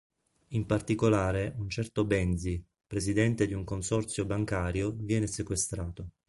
In particolare un certo Benzi, presidente di un Consorzio Bancario, viene sequestrato.